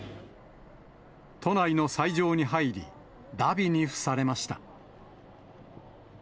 都内の斎場に入り、だびに付されました。